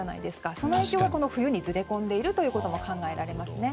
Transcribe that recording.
その影響が冬にずれ込んでいることも考えられます。